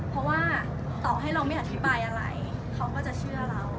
เพราะว่าต่อให้เราไม่อธิบายอะไรเขาก็จะเชื่อเรา